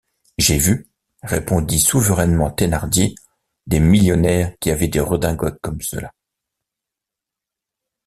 J’ai vu, répondit souverainement Thénardier, des millionnaires qui avaient des redingotes comme cela.